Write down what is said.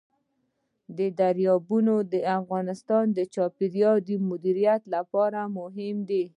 دریابونه د افغانستان د چاپیریال د مدیریت لپاره مهم دي.